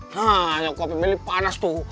nyokapnya meli panas tuh